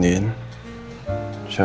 siapa yang mau hilang ingatan juga kan